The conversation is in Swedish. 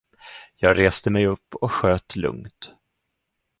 Jag reste mig upp och sköt lugnt.